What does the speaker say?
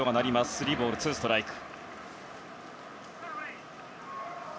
スリーボール、ツーストライク。